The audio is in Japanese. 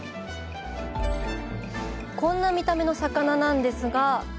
こんな見た目の魚なんですが。